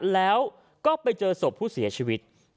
แล้วก็ไปเจอศพผู้เสียชีวิต